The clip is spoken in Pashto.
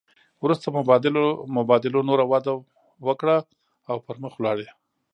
وروسته مبادلو نوره وده وکړه او پرمخ ولاړې